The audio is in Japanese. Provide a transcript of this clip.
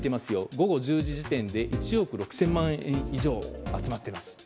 午後１０時時点で１億６０００万円以上集まっています。